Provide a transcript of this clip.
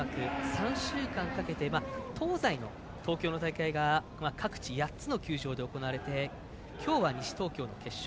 ３週間かけて東西の東京の大会が各地８つの球場で行われて今日は西東京の決勝